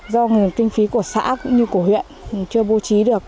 do nguồn kinh phí của xã cũng như của huyện chưa bố trí được